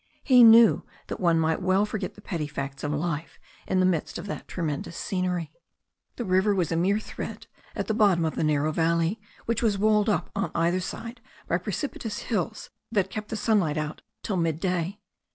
He knew that one might well forget the petty facts of life in the midst of that tremendous scen ery. The river was a mere thread at the bottom of the narrow valley, which was walled up on either side by precipitous hills that kept the sunlight out till midday.